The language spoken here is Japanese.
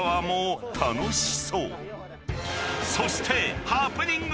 ［そして］